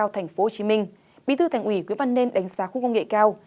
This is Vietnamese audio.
thành phố hồ chí minh bí thư thành ủy nguyễn văn nên đánh giá khu công nghệ cao